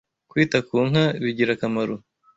Kwita ku nka bigira akamaro